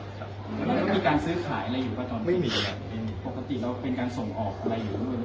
แล้วมันมีการซื้อขายอะไรอยู่ป่ะท่อนนี้ปกติเราเป็นการส่งออกอะไรอยู่หรือเปล่า